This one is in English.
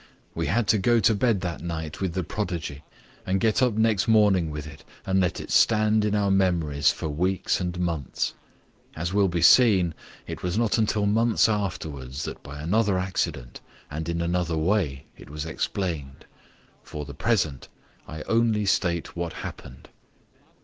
We had to go to bed that night with the prodigy and get up next morning with it and let it stand in our memories for weeks and months. As will be seen, it was not until months afterwards that by another accident and in another way it was explained. For the present I only state what happened.